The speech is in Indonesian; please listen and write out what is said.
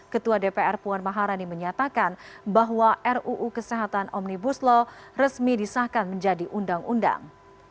ketua dpr puan maharani menyatakan bahwa ruu kesehatan omnibus law resmi disahkan menjadi undang undang